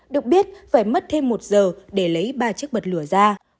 được biết phải mất thêm một giờ để lấy ba chiếc bật lửa ra